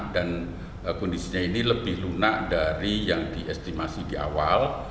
dan kondisinya ini lebih lunak dari yang diestimasi di awal